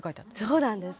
「そうなんです」